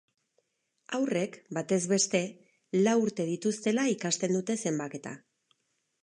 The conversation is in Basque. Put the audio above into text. Haurrek batez beste lau urte dituztela ikasten dute zenbaketa.